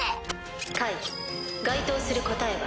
解該当する答えは。